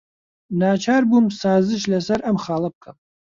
ناچار بووم سازش لەسەر ئەم خاڵە بکەم.